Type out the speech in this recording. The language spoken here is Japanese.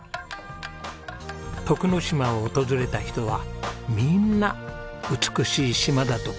徳之島を訪れた人はみんな美しい島だと口をそろえます。